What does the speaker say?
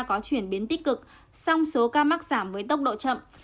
có chuyển biến tích cực song số ca mắc giảm với tốc độ chậm